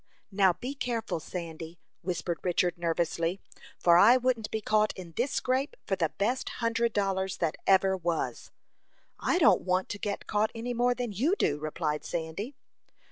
"Now be careful, Sandy," whispered Richard, nervously, "for I wouldn't be caught in this scrape for the best hundred dollars that ever was." "I don't want to be caught any more than you do," replied Sandy.